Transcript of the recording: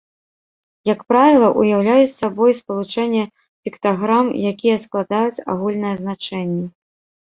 Як правіла, уяўляюць сабой спалучэнне піктаграм, якія складаюць агульнае значэнне.